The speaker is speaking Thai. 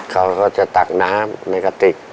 เขาก็จะตักน้ำในกระติก